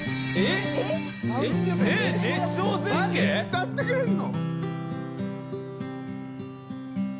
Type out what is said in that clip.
歌ってくれるの？